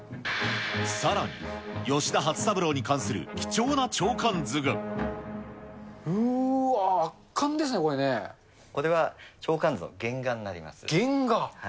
さらに吉田初三郎に関する貴うーわー、圧巻ですね、これは鳥観図の原画になりま原画？